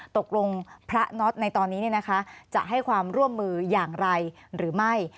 ตกลงพระน็อตในตอนนี้จะให้ความร่วมมืออย่างไรหรือไม่